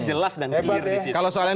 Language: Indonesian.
jelas dan clear disitu kalau soal yang